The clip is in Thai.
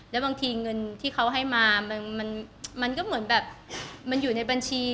แล้วบางทีเงินที่เขาให้มามันก็เหมือนแบบมันอยู่ในบัญชี